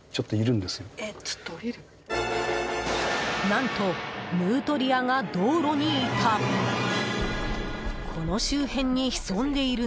何と、ヌートリアが道路にいた！